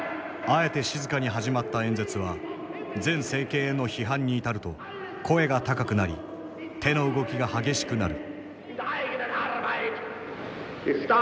あえて静かに始まった演説は前政権への批判に至ると声が高くなり手の動きが激しくなる。